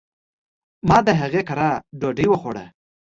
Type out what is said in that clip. ما د هغي کره ډوډي وخوړه .